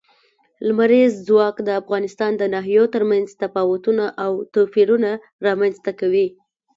لمریز ځواک د افغانستان د ناحیو ترمنځ تفاوتونه او توپیرونه رامنځ ته کوي.